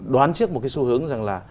đoán trước một cái xu hướng rằng là